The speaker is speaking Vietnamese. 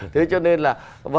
thế cho nên là